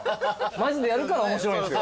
マジでやるから面白いんすよ。